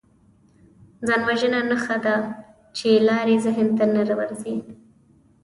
ځانوژنه نښه ده چې لارې ذهن ته نه ورځي